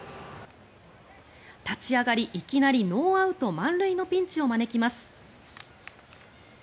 立ち上がり、いきなりノーアウト満塁のピンチを招きます。